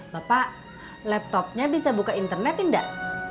bapak laptopnya bisa buka internet tidak